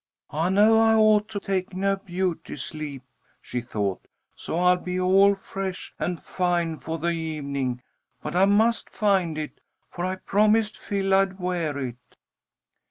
"I know I ought to be taking a beauty sleep," she thought, "so I'll be all fresh and fine for the evening, but I must find it, for I promised Phil I'd wear it."